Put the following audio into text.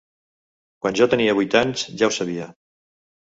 Quan jo tenia vuit anys ja ho sabia.